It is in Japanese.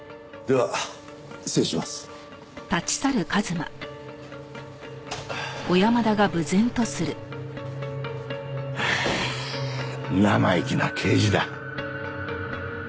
はあ生意気な刑事だ。